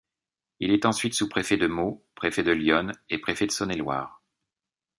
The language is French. Il est ensuite sous-préfet de Meaux, préfet de l'Yonne et préfet de Saône-et-Loire.